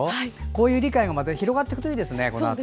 こういう理解がこのあと広がっていくといいですね。